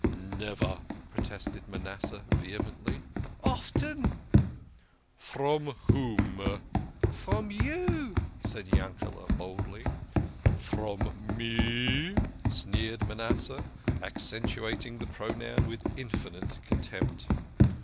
" Never !" protested Manasseh vehemently. " Often !"" From whom ?"" From you !" said Yankel boldly. " From me! " sneered Manasseh, accentuating the pro noun with infinite contempt.